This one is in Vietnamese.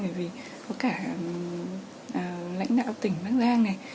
bởi vì có cả lãnh đạo tỉnh bắc giang này